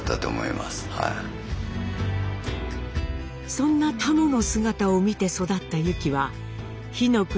そんなタモの姿を見て育ったユキは「火の国」